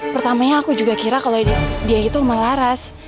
pertamanya aku juga kira kalau dia itu sama laras